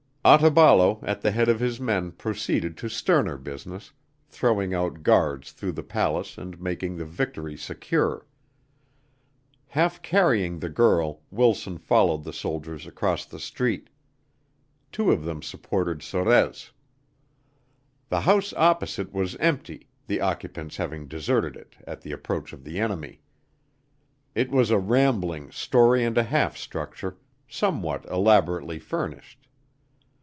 Otaballo at the head of his men proceeded to sterner business, throwing out guards through the palace and making the victory secure. Half carrying the girl, Wilson followed the soldiers across the street. Two of them supported Sorez. The house opposite was empty, the occupants having deserted it at the approach of the enemy. It was a rambling, story and a half structure, somewhat elaborately furnished.